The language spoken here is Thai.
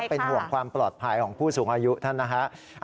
เป็นห่วงความปลอดภัยของผู้สูงอายุท่านนะฮะ